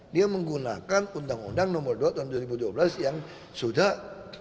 dia menggunakan undang undang nomor dua tahun dua ribu dua belas yang sudah